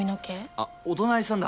あお隣さんだ。